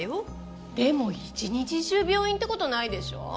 でも一日中病院ってことないでしょう。